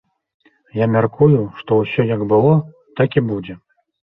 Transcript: Я мяркую, што ўсё як было, так і будзе.